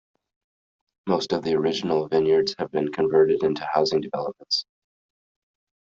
Most of the original vineyards have been converted into housing developments.